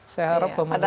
saya harap pemerintah